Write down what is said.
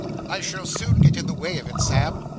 I shall soon get in the way of it, Sam.